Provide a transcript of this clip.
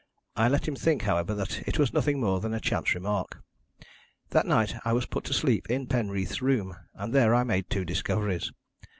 I let him think, however, that it was nothing more than a chance remark. That night I was put to sleep in Penreath's room, and there I made two discoveries.